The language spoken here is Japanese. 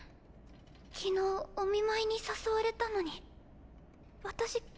昨日お見舞いに誘われたのに私怖くて。